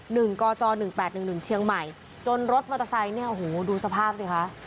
หนึ่งกจ๑๘๑๑เชียงใหม่จนรถมอเตอร์ไซต์เนี่ยโอ้โหดูสภาพสิคะ